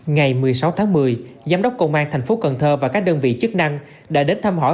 ngày một mươi sáu tháng một mươi giám đốc công an tp cn và các đơn vị chức năng đã đến thăm hỏi